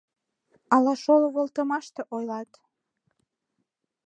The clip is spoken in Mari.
Ала шоло волтымаште ойлат?